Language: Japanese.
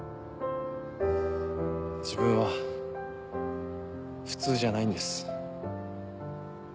自分は普通じゃないんです。